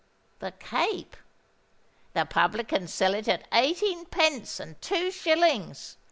—the Cape. The publicans sell it at eighteen pence and two shillings.